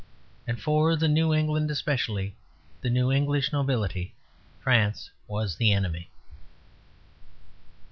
And for the new England, especially the new English nobility, France was the enemy.